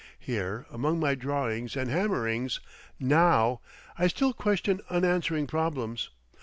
Here among my drawings and hammerings now, I still question unanswering problems.